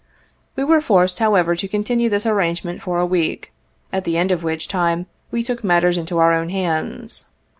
We were forced, however, to continue this arrangement for a week, at the end of which time we took matters into our own .hands.